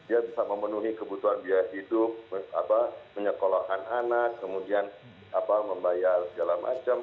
ya bisa memenuhi kebutuhan biaya hidup menyekolahkan anak kemudian membayar segala macam